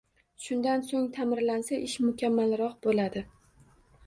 Shundan so‘ng ta’mirlansa, ish mukammalroq bo‘ladi.